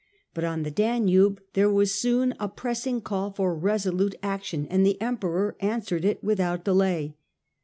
But on the Danube there was soon a pressing call for resolute action, and the Emperor answered it without delay.